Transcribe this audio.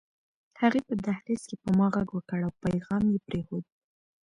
هغې په دهلېز کې په ما غږ وکړ او پيغام يې پرېښود